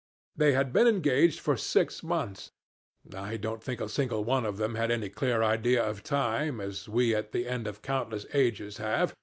They had been engaged for six months (I don't think a single one of them had any clear idea of time, as we at the end of countless ages have.